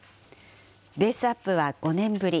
ベースアップは５年ぶり。